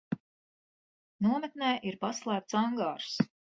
Nometnē ir paslēpts angārs.